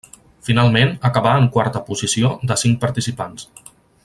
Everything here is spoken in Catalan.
Finalment acabà en quarta posició de cinc participants.